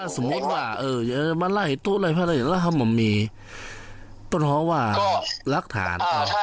สมมุติว่าเออมาไล่ตู้อะไรพระเจ้าแล้วมันมีต้นฮวารักฐาน